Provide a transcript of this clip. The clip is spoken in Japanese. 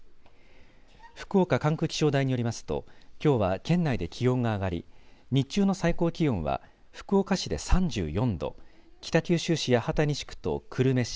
福岡管区気象台によりますときょうは県内で気温が上がり日中の最高気温は福岡市で３４度北九州市八幡西区と久留米市